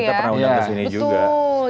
benar kita pernah berenang di sini juga